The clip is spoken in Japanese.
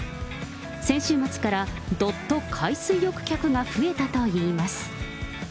先週末から、どっと海水浴客が増えたといいます。